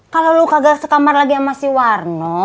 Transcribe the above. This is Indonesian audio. kalau lu kagak sekamar lagi sama si warno